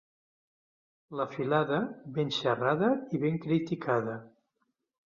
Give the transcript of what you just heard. La filada, ben xerrada i ben criticada.